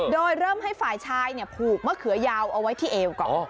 โดยเริ่มให้ฝ่ายชายผูกมะเขือยาวเอาไว้ที่เอวก่อน